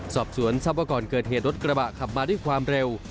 สอบสวนทรัพย์ว่าก่อนเกิดเหตุรถกระบะขับมาด้วยความเร็ว